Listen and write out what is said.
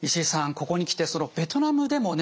ここに来てベトナムでもね